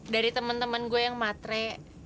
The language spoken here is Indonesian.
dari temen temen gue yang matre